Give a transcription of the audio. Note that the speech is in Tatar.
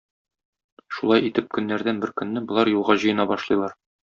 Шулай итеп көннәрдән бер көнне болар юлга җыена башлыйлар.